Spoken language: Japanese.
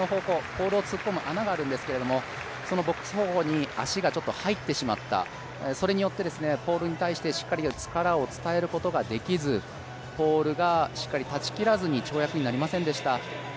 ポールを突っ込む穴があるんですがそのボックス方向に足が入ってしまった、それによってポールに対してしっかり力を伝えることができずポールがしっかり立ちきらずに跳躍になりませんでした。